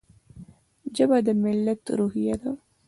ژبه د ملت روحیه ده.